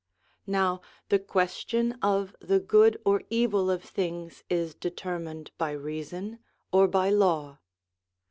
Now the question of the good or evil of things is determined by reason or by law.